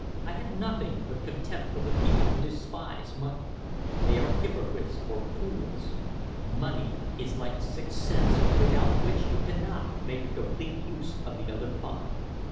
I have nothing but contempt for the people who despise money. They are hypocrites or fools. Money is like a sixth sense without which you cannot make a complete use of the other five.